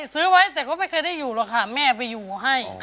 ซื้อไว้แต่ก็ไม่เคยได้อยู่หรอกค่ะแม่ไปอยู่ให้